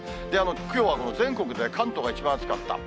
きょうはこの全国で関東が一番暑かった。